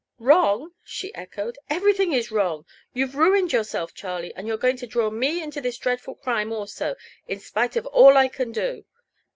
"Wrong!" she echoed; "everything is wrong. You've ruined yourself, Charlie; and you're going to draw me into this dreadful crime, also, in spite of all I can do!"